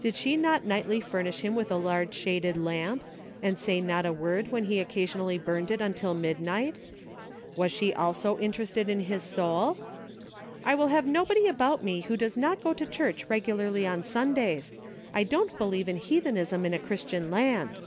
Did she not nightly fur nish him with a large shaded lamp, and say not a word when he occasionally burned it until mid night ? Was she also interested in his soul } "1 will have nobody about me who does not go to church regularly on Sundays. I don't believe in heathenism in a Christian land."